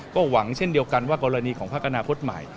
ก็หวังเช่นเดียวกันว่ากรณีของพักอนาคตใหม่